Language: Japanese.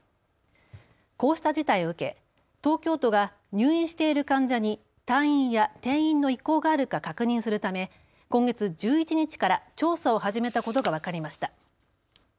こうした事態を受け、東京都が入院している患者に退院や転院の意向があるか確認するため今月１１日から調査を始めたことが分かりました。